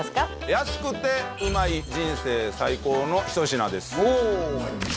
安くてうまい人生最高の一品ですおお！